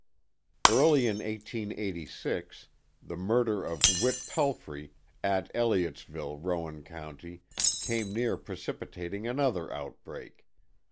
Early in 1886, the murder of Whit Pelfrey, at Elliottsville, Rowan County, came near precipitating another outbreak.